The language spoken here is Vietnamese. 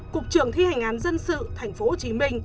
cục trưởng thi hành án dân sự tp hcm